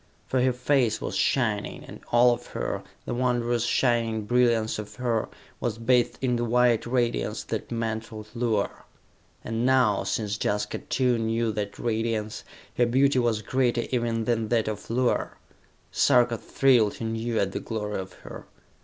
For her face was shining, and all of her, the wondrous shining brilliance of her, was bathed in the white radiance that mantled Luar. And now, since Jaska too knew that radiance, her beauty was greater even than that of Luar. Sarka thrilled anew at the glory of her.